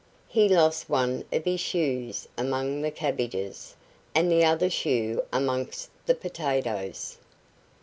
He lost one of his shoes among the cabbages, and the other shoe amongst the potatoes.